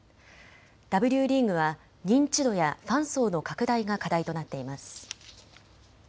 Ｗリーグは認知度やファン層の拡大が課題となっています。